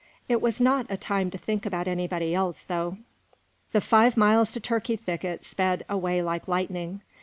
It was not a time to think about anybody else, though. The five miles to Turkey Thicket sped away like lightning.